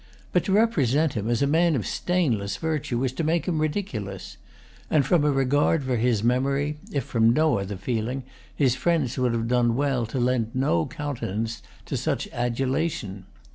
But to represent him as a man of stainless virtue is to make him ridiculous; and from a regard for his memory, if from no other feeling, his friends would have done well to lend no countenance to such adulation.